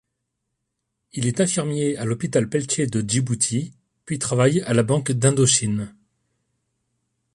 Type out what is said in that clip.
Il est infirmier à l'Hôpital Peltier de Djibouti, puis travaille à la Banque d'Indochine.